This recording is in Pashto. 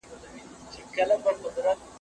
په مزار کي کوتري توري نه دي.